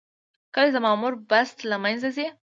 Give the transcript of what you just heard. کله چې د مامور بست له منځه ځي.